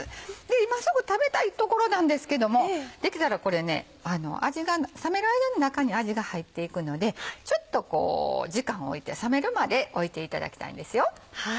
今すぐ食べたいところなんですけどもできたら冷める間に中に味が入っていくのでちょっと時間を置いて冷めるまで置いていただきたいんです。